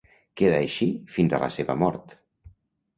Queda així fins a la seva mort.